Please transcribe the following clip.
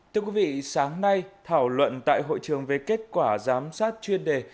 thưa quý vị sáng nay thảo luận tại hội trường về kết quả giám sát chuyên đề